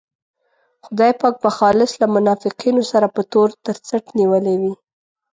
خدای پاک به خالص له منافقینو سره په تور تر څټ نیولی وي.